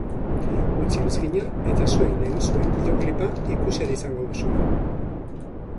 Utzi iruzkina eta zuek nahi duzuen bidoeklipa ikusi ahal izango duzue.